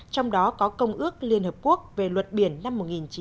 trong đó có công ước liên hợp quốc về luật biển năm một nghìn chín trăm tám mươi hai